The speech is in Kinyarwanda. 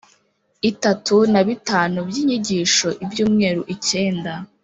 itatu na bitanu by inyigisho ibyumweru icyenda